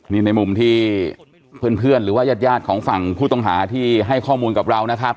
นี่ในมุมที่เพื่อนหรือว่ายาดของฝั่งผู้ต้องหาที่ให้ข้อมูลกับเรานะครับ